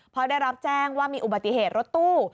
พอได้รับแจ้งว่ามีอุบัติเหตุรถตู้